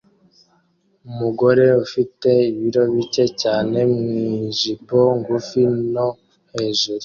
Umugore ufite ibiro bike cyane mwijipo ngufi no hejuru